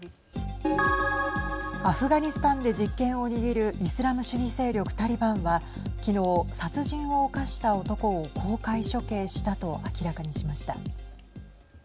アフガニスタンで実権を握るイスラム主義勢力タリバンは昨日、殺人を犯した男を公開処刑したと明らかにしました。